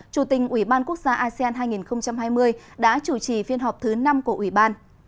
chủ tình ủy ban quốc gia asean hai nghìn hai mươi đã chủ trì phiên họp thứ năm của ủy ban